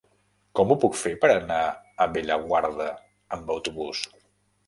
Com ho puc fer per anar a Bellaguarda amb autobús?